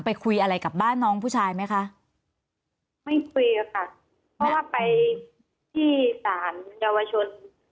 คุยอะไรกับบ้านน้องผู้ชายไหมคะไม่คุยค่ะเพราะว่าไปที่ศาลเยาวชน